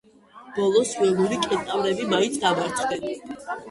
ბოლოს ველური კენტავრები მაინც დამარცხდნენ.